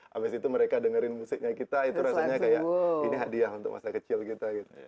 habis itu mereka dengerin musiknya kita itu rasanya kayak ini hadiah untuk masa kecil kita gitu ya